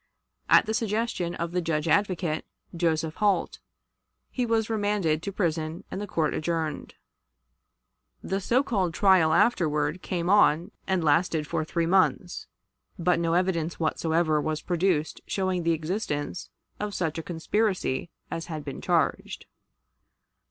At the suggestion of the Judge Advocate, Joseph Holt, he was remanded to prison and the court adjourned. The so called trial afterward came on, and lasted for three months, but no evidence whatsoever was produced showing the existence of such a conspiracy as had been charged.